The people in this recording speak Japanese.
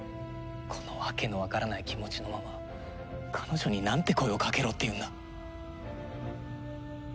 この訳のわからない気持ちのまま彼女になんて声をかけろっていうんだ。